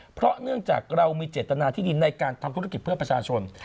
เพราะเนื่องจากเรามีเจตนาที่ดีในการทำธุรกิจเพื่อประชาชน